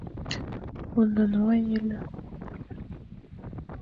Ônon wa yel,,